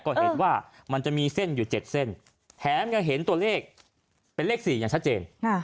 ก็เห็นว่ามันจะมีเส้นอยู่๗เส้นแถมยังเห็นตัวเลขเป็นเลข๔อย่างชัดเจน